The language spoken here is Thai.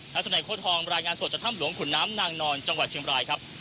ทัศนัยโฆษธองรายงานสวทธิจธรรมหลวงขุนน้ำนางนอนจังหวัดเชียงบรายครับ